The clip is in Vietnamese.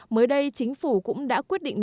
mới đây chính phủ cũng đã quyết định